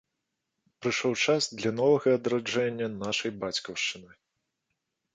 Прыйшоў час для новага адраджэння нашай бацькаўшчыны.